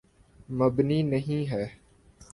مبنی نہیں ہے۔